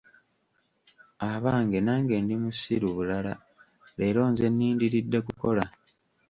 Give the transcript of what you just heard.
Abange nange ndi musiru bulala; leero nze nindiridde kukola.